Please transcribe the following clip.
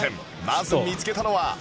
まず見つけたのは